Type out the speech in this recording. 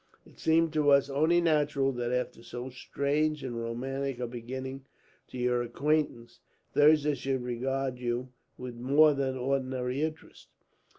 It seemed to us only natural that, after so strange and romantic a beginning to your acquaintance, Thirza should regard you with more than ordinary interest.